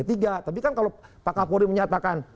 tapi kan kalau pak kapolri menyatakan